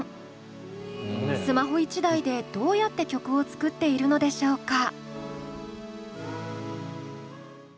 スマホ１台でどうやって曲を作っているのでしょうか？